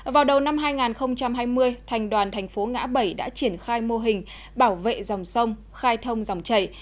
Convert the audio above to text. vào đầu năm hai nghìn hai mươi thành đoàn thành phố ngã bảy đã triển khai mô hình bảo vệ dòng sông khai thông dòng chảy